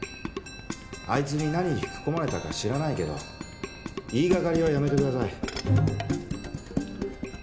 あいつに何吹き込まれたか知らないけど言いがかりはやめてください。